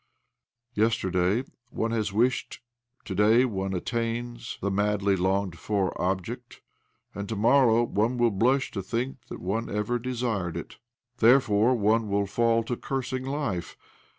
Yesterday one has wished, to day one attains the madly longed for object, and to morrow one will blush to think thkt one ever desired it. Therefore one will fall to cursing life.